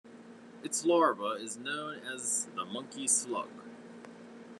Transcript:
Its larva is known as the monkey slug.